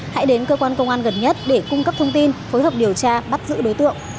hãy đến cơ quan công an gần nhất để cung cấp thông tin phối hợp điều tra bắt giữ đối tượng